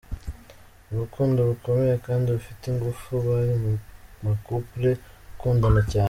mu rukundo rukomeye kandi rufite ingufu, bari mu macouple akunndana cyane.